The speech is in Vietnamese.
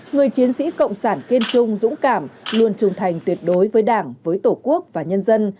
người chiến sĩ cộng sản kiên trung dũng cảm luôn trung thành tuyệt đối với đảng với tổ quốc và nhân dân